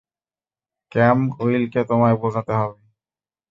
ক্যাম, উইলকে তোমায় বোঝাতে হবে।